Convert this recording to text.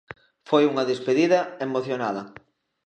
Foi unha despedida emocionada.